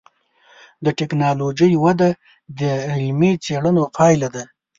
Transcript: د ټکنالوجۍ وده د علمي څېړنو پایله ده.